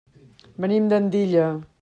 Venim d'Andilla.